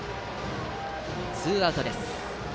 ツーアウトです。